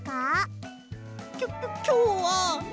きょきょきょうはえっと